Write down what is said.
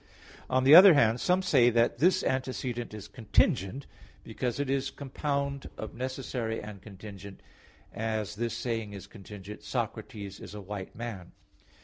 On the other hand some say that this antecedent is contingent, because it is a compound of necessary and contingent; as this saying is contingent, "Socrates is a white man."